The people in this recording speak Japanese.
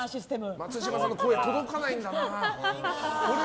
松嶋さんの声、届かないんだな。